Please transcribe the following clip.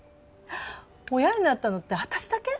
親になったのって私だけ？